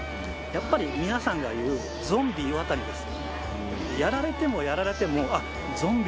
やっぱり皆さんが言う「ゾンビ岩谷」です。